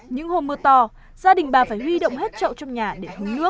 những hôm mưa to gia đình bà phải huy động hết trậu trong nhà để hứng nước